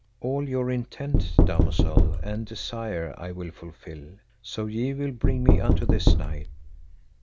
All your intent, damosel, and desire I will fulfil, so ye will bring me unto this knight.